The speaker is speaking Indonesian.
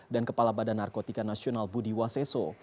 dan kepala badan narkotika nasional budi waseso